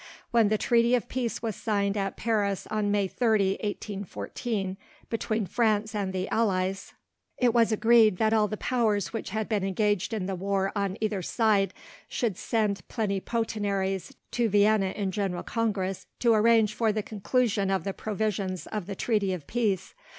When the treaty of peace was signed at Paris on May 30, 1814, between France and the allies, it was agreed that all the powers which had been engaged in the war on either side, should send plenipotentiaries to Vienna in general Congress to arrange for the conclusion of the provisions of the treaty of peace.